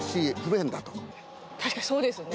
確かにそうですね。